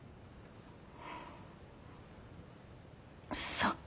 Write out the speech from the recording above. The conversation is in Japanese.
そっか。